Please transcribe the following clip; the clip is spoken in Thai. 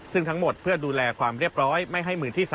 ซึ่งทั้งหมดเพื่อดูแลความเรียบร้อยไม่ให้มือที่๓